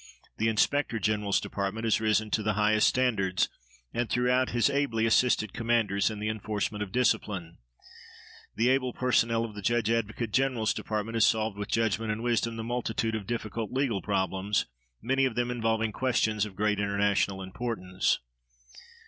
The Inspector General's Department has risen to the highest standards, and throughout has ably assisted commanders in the enforcement of discipline. The able personnel of the Judge Advocate General's Department has solved with judgment and wisdom the multitude of difficult legal problems, many of them involving questions of great international importance.